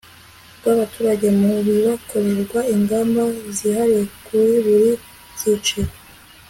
rw abaturage mu bibakorerwa Ingamba zihariye kuri buri cyiciro